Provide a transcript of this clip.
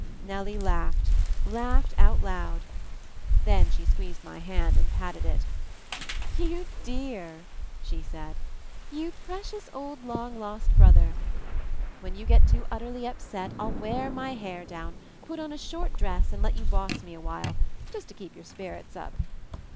L Nellie laughed — laughed out loud. Then she squeezed my hand and patted it. "You Dearr she said. "You precious old r MOVING THE MOUNTAIN 19 Long Lost Brother! When you get too utterly upset I'll wear my hair down, put on a short dress and let you boss me awhile — to keep your spirits up.